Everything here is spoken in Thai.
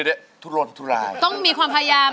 ดูเนี่ยทุลตุลาย